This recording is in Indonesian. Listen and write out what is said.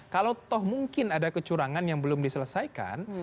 kalau toh mungkin ada kecurangan yang belum diselesaikan